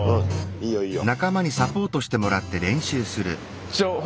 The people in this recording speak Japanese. いいよいいよ。